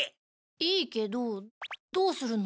いいけどどうするの？